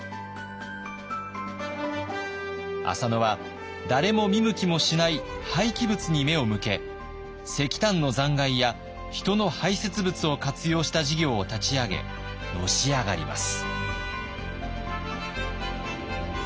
浅野は誰も見向きもしない廃棄物に目を向け石炭の残骸や人の排せつ物を活用した事業を立ち上げのし上がります。